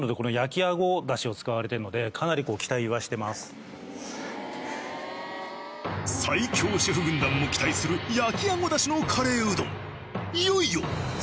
なのでこれ最強シェフ軍団も期待する焼あごだしのカレーうどん。